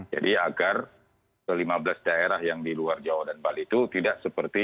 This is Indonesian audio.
jadi agar kelima belas daerah yang di luar jawa dan bali itu tidak seperti